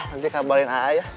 nanti kabarin aa ya